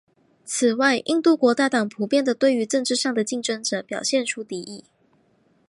此外印度国大党普遍地对于政治上的竞争者表现出敌意。